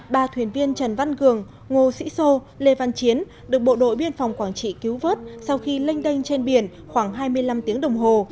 ba thuyền viên trần văn cường ngô sĩ sô lê văn chiến được bộ đội biên phòng quảng trị cứu vớt sau khi lênh đênh trên biển khoảng hai mươi năm tiếng đồng hồ